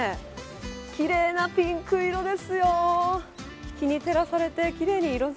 奇麗なピンク色ですよ。